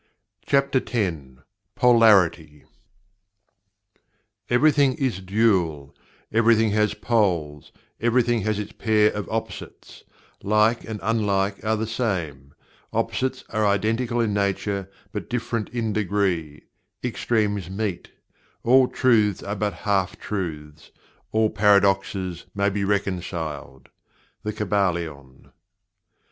CHAPTER X POLARITY "Everything is dual; everything has poles; everything has its pair of opposites; like and unlike are the same; opposites are identical in nature, but different in degree; extremes meet; all truths are but half truths; all paradoxes may be reconciled." The Kybalion.